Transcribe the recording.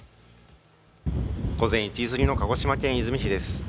午前１時すぎの鹿児島県出水市です。